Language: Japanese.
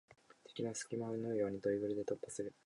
敵の隙間を縫うようにドリブルで突破する